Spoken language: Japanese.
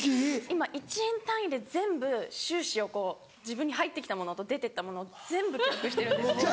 今１円単位で全部収支をこう自分に入ってきたものと出てったものを全部チェックしてるんですね。